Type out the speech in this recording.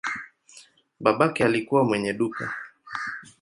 Babake alikuwa mwenye duka.